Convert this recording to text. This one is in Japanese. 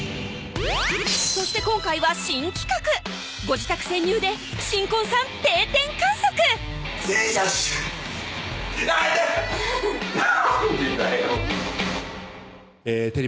そして今回は新企画ご自宅潜入で「新婚さん定点観測」「潜影蛇手」あっ痛い！